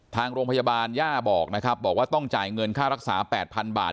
ทางโรงพยาบาลย่าบอกนะครับบอกว่าต้องจ่ายเงินค่ารักษา๘๐๐๐บาท